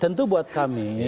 tentu buat kami